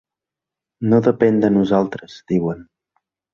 No depèn de nosaltres, diuen.